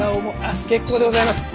結構でございます。